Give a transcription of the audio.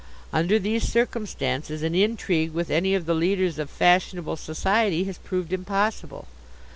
Under these circumstances an intrigue with any of the leaders of fashionable society has proved impossible.